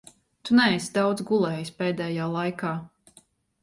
Tu neesi daudz gulējis pēdējā laikā.